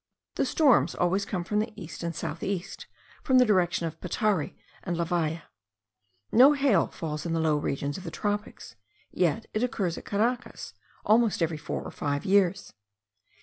The storms always come from the east and south east, from the direction of Petare and La Valle. No hail falls in the low regions of the tropics; yet it occurs at Caracas almost every four or five years.